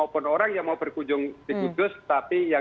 oke pak ya thermal bagi saya